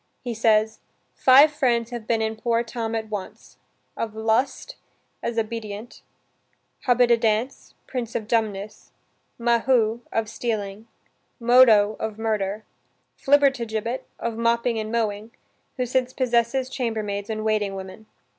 He says, "Five friends have been in poor Tom at once: of lust, as Obidient; Hobbididance, prince of dumbness; Mahu, of stealing; Modo, of murder; Flibbertigibbet, of mopping and mowing; who since possesses chambermaids and waiting women."